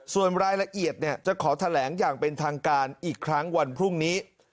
ส่วนรายละเอียดจะขอแถลงอย่างเป็นทางการอีกครั้งวันพรุ่งนี้